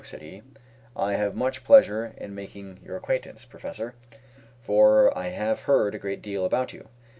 said he; "I have much pleasure in making your acquaintance, Professor; for I have heard a great deal about you."